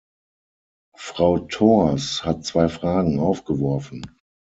Frau Thors hat zwei Fragen aufgeworfen.